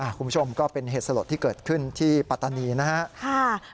คุณผู้ชมก็เป็นเหตุสลดที่เกิดขึ้นที่ปัตตานีนะครับ